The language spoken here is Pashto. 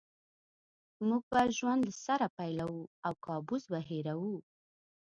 موږ به ژوند له سره پیلوو او کابوس به هېروو